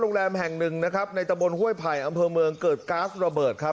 โรงแรมแห่งหนึ่งนะครับในตะบนห้วยไผ่อำเภอเมืองเกิดก๊าซระเบิดครับ